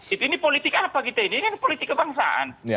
ini politik apa kita ini kan politik kebangsaan